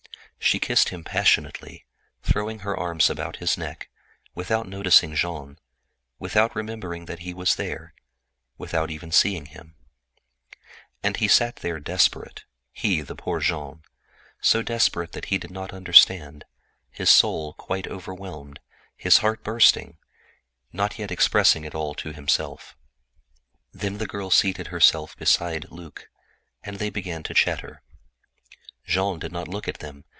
She kissed him passionately, throwing her arms about his neck, without noticing Jean, without remembering that he was there, without even seeing him. And he sat there desperate, poor Jean, so desperate that he did not understand, his soul quite overwhelmed, his heart bursting, but not yet understanding himself. Then the girl seated herself beside Luc, and they began to chatter. Jean did not look at them.